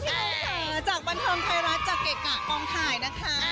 พี่โดองเถอร์จากันธรไทยรัฐจากเกษ์กะฮองไข่นะคะ